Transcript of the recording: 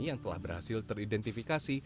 yang telah berhasil teridentifikasi